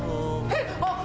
えっ！